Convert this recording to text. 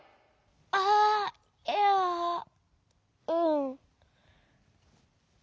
あっいやうん。